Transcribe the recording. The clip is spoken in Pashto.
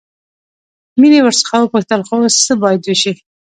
مينې ورڅخه وپوښتل خو اوس څه بايد وشي.